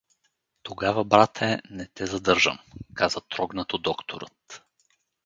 — Тогава, брате, не те задържам — каза трогнато докторът.